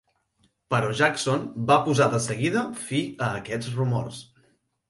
Però Jackson va posar de seguida fi a aquests rumors.